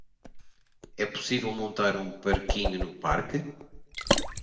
É possível montar um parquinho no parque?